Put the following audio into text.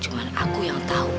cuma aku yang tahu